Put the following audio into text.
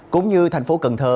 cũng như thành phố cần thơ